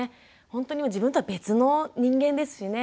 ほんとに自分とは別の人間ですしね。